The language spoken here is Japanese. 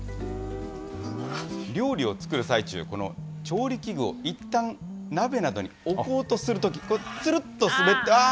料理を作る最中、この調理器具をいったん、鍋などに置こうとするとき、つるっと滑って、あー！